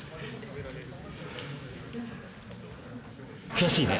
悔しいね。